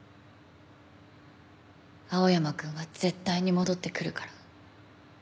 青山くんは絶対に戻ってくるから。